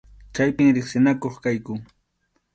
Chaypim riqsinakuq kayku.